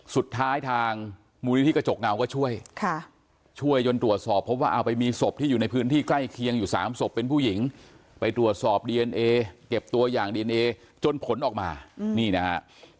สุดท้ายทางมูลนิธิกระจกเงาก็ช่วยช่วยจนตรวจสอบพบว่าเอาไปมีศพที่อยู่ในพื้นที่ใกล้เคียงอยู่๓ศพเป็นผู้หญิงไปตรวจสอบดีเอนเอเก็บตัวอย่างดีเอนเอจนผลออกมานี่นะฮะ